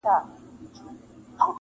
او چوپ پاته کيږي اکثر.